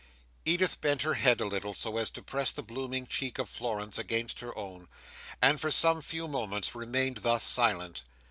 Edith bent her head a little, so as to press the blooming cheek of Florence against her own, and for some few moments remained thus silent.